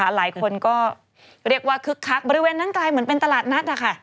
หลายคนก็เรียกว่าคึกคักบริเวณนั้นกลายเหมือนเป็นตลาดนัด